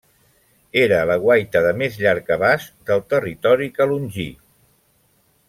Era la guaita de més llarg abast del territori calongí.